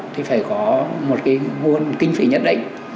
thì phải có một cái nguồn kinh phí nhất định